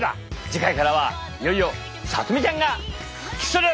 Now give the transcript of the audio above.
次回からはいよいよさとみちゃんが復帰する！